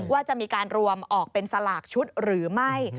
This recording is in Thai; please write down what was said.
ว่าจะมีการรวมออกเป็นสลากชุดหรือไม่